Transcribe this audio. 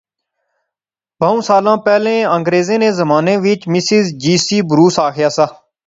بہوں سالاں پہلے انگریریں نے زمانے وچ مسز جی سی بروس آخیا سا